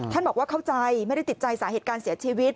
บอกว่าเข้าใจไม่ได้ติดใจสาเหตุการเสียชีวิต